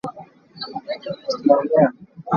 Kala nih meida an duh.